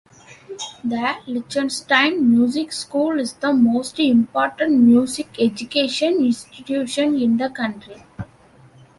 The Liechtenstein Music School is the most important music education institution in the country.